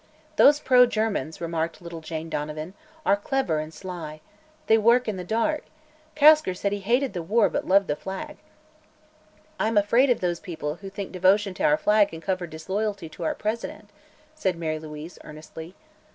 "Those pro Germans," remarked little Jane Donovan, "are clever and sly. They work in the dark. Kasker said he hated the war but loved the flag." "I'm afraid of those people who think devotion to our flag can cover disloyalty to our President," said Mary Louise earnestly.